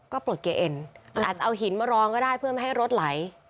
ก็ปลดเกเอ็นอาจจะเอาหินมารองก็ได้เพื่อไม่ให้รถไหล